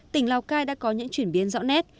tỉnh lào cai đã có những chuyển biến rõ nét